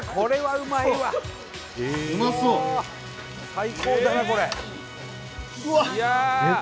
最高だなこれ！